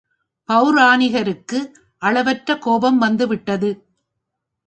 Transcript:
பெளராணிகருக்கு அளவற்ற கோபம் வந்து விட்டது.